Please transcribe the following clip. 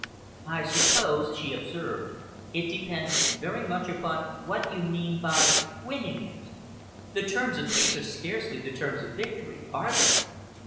"I suppose," she observed, "it depends very much upon what you mean by winning it? The terms of peace are scarcely the terms of victory, are they?"